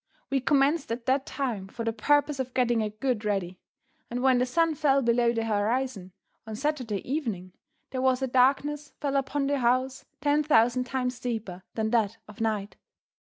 We commenced at that time for the purpose of getting a good ready, and when the sun fell below the horizon on Saturday evening, there was a darkness fell upon the house ten thousand times deeper than that of night.